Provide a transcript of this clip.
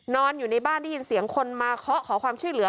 นอนอยู่ในบ้านได้ยินเสียงคนมาเคาะขอความช่วยเหลือ